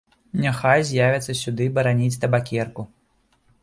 Няхай з'явяцца сюды бараніць табакерку.